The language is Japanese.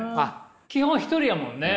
基本一人やもんね。